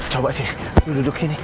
coba sih duduk sini